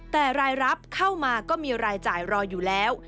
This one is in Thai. แต่รายรับเข้ามาก็มีรายจ่ายรออยู่แล้ว